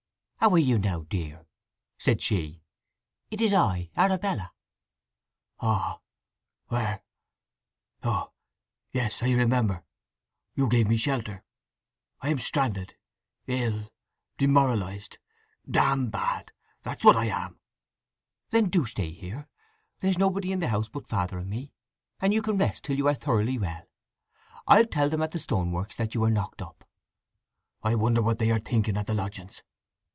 "How are you now, dear?" said she. "It is I—Arabella." "Ah!—where—oh yes, I remember! You gave me shelter… I am stranded—ill—demoralized—damn bad! That's what I am!" "Then do stay here. There's nobody in the house but father and me, and you can rest till you are thoroughly well. I'll tell them at the stoneworks that you are knocked up." "I wonder what they are thinking at the lodgings!"